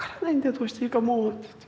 どうしていいかもう」って言って。